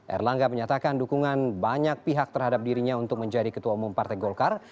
erlangga menyatakan dukungan banyak pihak terhadap dirinya untuk menjadi ketua umum partai golkar